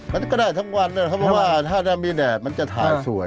มันก็ได้ทั้งวันเลยเขาบอกว่าถ้าถ้ามีแดดมันจะถ่ายสวย